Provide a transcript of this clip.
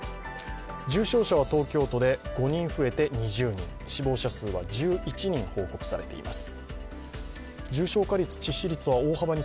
重症者は東京都で５人増えて２０人死亡者数は１１人報告されています。